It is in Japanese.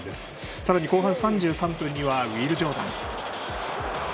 さらに、後半３３分にはウィル・ジョーダン。